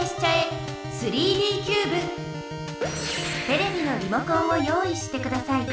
テレビのリモコンを用意してください。